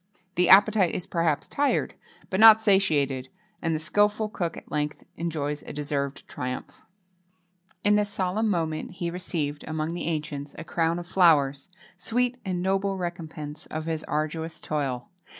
The appetite is perhaps tired, but not satiated; and the skilful cook at length enjoys a deserved triumph. In this solemn moment he received, among the ancients, a crown of flowers[XXII 20] sweet and noble recompense of his arduous toil.